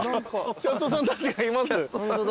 キャストさんたちがいます。